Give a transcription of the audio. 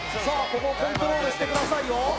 ここコントロールしてくださいよ